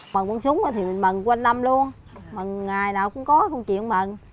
mình mừng quanh năm luôn mừng ngày nào cũng có công chuyện mừng